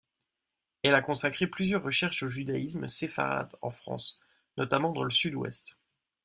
Elle a consacré plusieurs recherches au judaïsme séfarade, en France, notamment dans le sud-ouest.